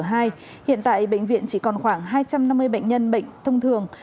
hiện tại bệnh viện chỉ còn khoảng hai trăm năm mươi bệnh nhân bệnh thông thường